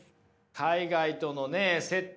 海外とのね接点